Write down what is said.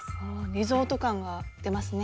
リゾート感が出ますね。